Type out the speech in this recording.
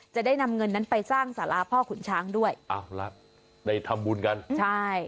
จะได้นำเงินนั้นไปสร้างสาราพ่อขุนช้างด้วยเอาละได้ทำบุญกันใช่